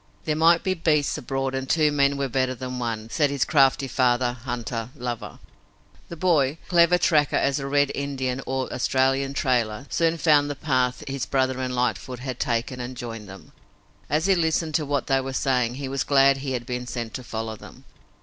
There might be beasts abroad and two men were better than one, said this crafty father hunter lover. The boy, clever tracker as a red Indian or Australian trailer, soon found the path his brother and Lightfoot had taken and joined them. As he listened to what they were saying he was glad he had been sent to follow them.